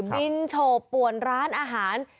โฉป่วนร้านอาหาร